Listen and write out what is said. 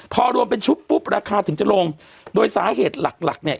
พอรวมเป็นชุบปุ๊บราคาถึงจะลงโดยสาเหตุหลักหลักเนี่ย